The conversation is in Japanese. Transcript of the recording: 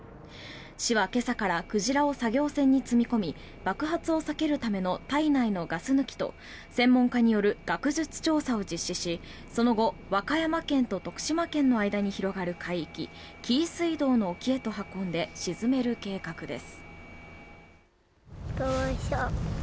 市は、今朝から鯨を作業船に積み込み爆発を避けるための体内のガス抜きと専門家による学術調査を実施しその後、和歌山県と徳島県の間に広がる海域紀伊水道の沖へと運んで沈める計画です。